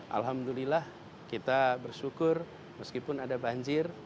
alhamdulillah kita bersyukur meskipun ada banjir